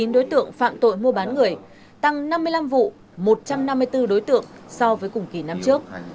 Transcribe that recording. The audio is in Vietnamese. chín đối tượng phạm tội mua bán người tăng năm mươi năm vụ một trăm năm mươi bốn đối tượng so với cùng kỳ năm trước